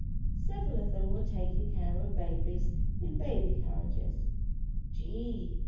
Several of them were taking care of babies in baby carriages. "Gee!"